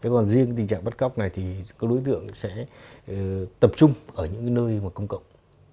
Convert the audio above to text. còn riêng tình trạng bắt cóc này thì các đối tượng sẽ tập trung ở những nơi công cộng